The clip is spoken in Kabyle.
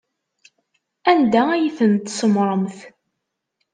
Anda ay ten-tsemmṛemt?